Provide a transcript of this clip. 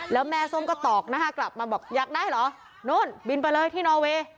แล้วแม่ส้มก็ตอกหน้ากลับมาบอกอยากได้เหรอนู่นบินไปเลยที่นอเวย์